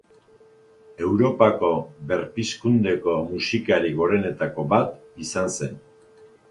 Europako Berpizkundeko musikari gorenetako bat izan zen.